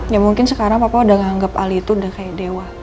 ya mungkin sekarang papa udah menganggap ali itu udah kayak dewa